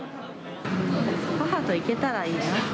母と行けたらいいな。